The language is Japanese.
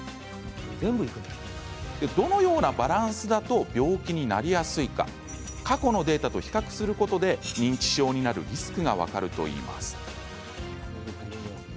どのようなバランスだと病気になりやすいか過去のデータと比較することで認知症になるリスクが分かるといいます。